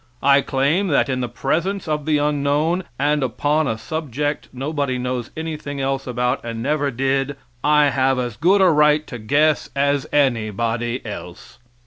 I claim that in the presence of the unknown, and upon a subject that nobody knows anything about, and never did, I have as good a right to guess as anybody else.